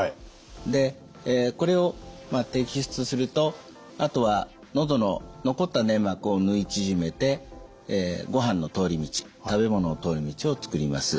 でこれを摘出するとあとは喉の残った粘膜を縫い縮めてごはんの通り道食べ物の通り道を作ります。